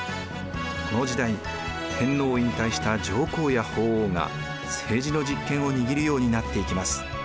この時代天皇を引退した上皇や法皇が政治の実権を握るようになっていきます。